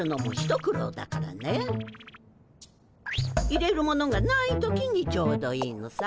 入れるものがない時にちょうどいいのさ。